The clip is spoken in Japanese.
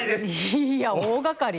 いいや大がかり。